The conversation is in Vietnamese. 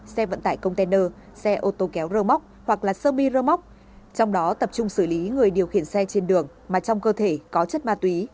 xe vận tải container xe ô tô kéo rơ móc hoặc là sơ bi rơ móc trong đó tập trung xử lý người điều khiển xe trên đường mà trong cơ thể có chất ma túy